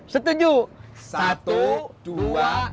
setuju satu dua tiga